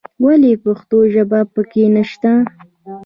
ولې پښتو ژبه په کې نه شته.